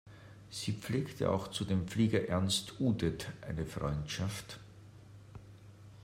Sie pflegte auch zu dem Flieger Ernst Udet eine Freundschaft.